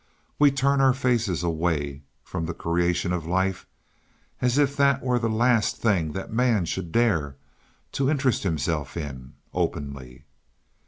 We turn our faces away from the creation of life as if that were the last thing that man should dare to interest himself in, openly.